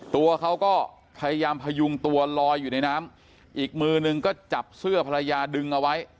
ตัวเขาก็พยายามพยุงตัวลอยอยู่ในน้ำอีกมือนึงก็จับเสื้อภรรยาดึงเอาไว้